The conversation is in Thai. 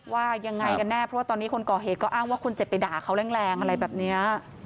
ว่ายังไงกันแน่เพราะว่าตอนนี้คนก่อเหตุก็อ้างว่าคนเจ็บไปด่าเขาแรงอะไรแบบนี้